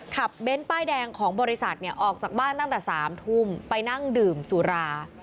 เบ้นป้ายแดงของบริษัทเนี่ยออกจากบ้านตั้งแต่๓ทุ่มไปนั่งดื่มสุรา